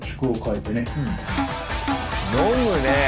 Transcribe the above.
飲むね。